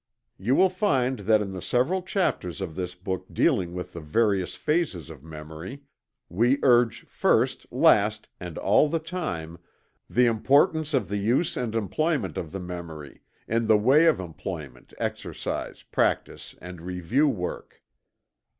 You will find that in the several chapters of this book dealing with the various phases of memory, we urge, first, last, and all the time, the importance of the use and employment of the memory, in the way of employment, exercise, practice and review work.